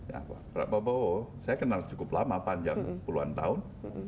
ya pak prabowo saya kenal cukup lama panjang puluhan tahun